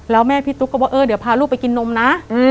แล้วแม่พี่ตุ๊กก็บอกเออเดี๋ยวพาลูกไปกินนมนะ